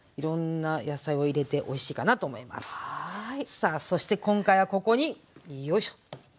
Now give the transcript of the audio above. さあそして今回はここによいしょ。